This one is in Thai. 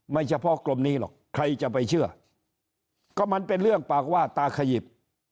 ไม่เฉพาะกรมนี้หรอกใครจะไปเชื่อก็มันเป็นเรื่องปากว่าตาขยิบ